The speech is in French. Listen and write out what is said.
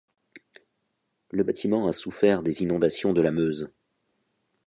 Le bâtiment a souffert des inondations de la Meuse.